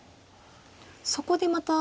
そこでまた。